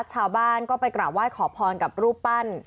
ชาวบ้านก็ไปกราบไหว้ขอพรกับรูปปั้น